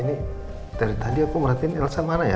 ini dari tadi aku merhatiin elsa mara ya